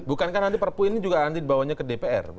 bukankah nanti perpu ini dibawanya ke dpr